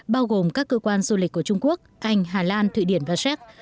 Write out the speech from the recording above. bao gồm các cơ quan du lịch của trung quốc anh hà lan thụy điển và séc